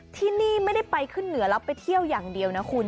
ที่นี่ไม่ได้ไปขึ้นเหนือแล้วไปเที่ยวอย่างเดียวนะคุณ